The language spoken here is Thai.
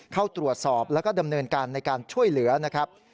เข้าตรวจสอบแล้วก็ดำเนินการในการช่วยเหลือนะครับ